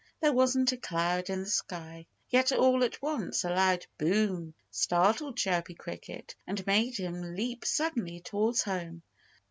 There wasn't a cloud in the sky. Yet all at once a loud boom startled Chirpy Cricket and made him leap suddenly towards home.